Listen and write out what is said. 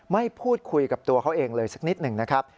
พูดคุยกับตัวเขาเองเลยสักนิดหนึ่งนะครับ